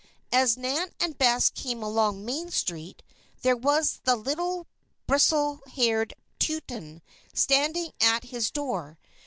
As Nan and Bess came along Main Street, there was the little, bristle haired Teuton, standing at his door.